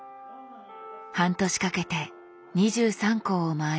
半年かけて２３校を回ります。